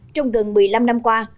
trong gần một mươi năm năm qua